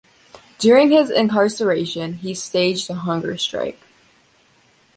During his incarceration, he staged a hunger strike.